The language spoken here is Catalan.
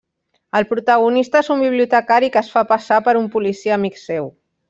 El protagonista és un bibliotecari que es fa passar per un policia amic seu.